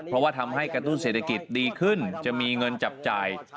เพราะว่าทำให้กระตุ้นเศรษฐกิจดีขึ้นจะมีเงินจับจ่าย